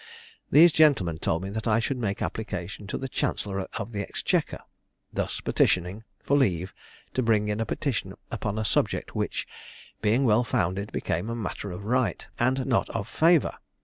These gentlemen told me, that I should make application to the chancellor of the exchequer thus petitioning for leave to bring in a petition upon a subject which, being well founded, became a matter of right, and not of favour.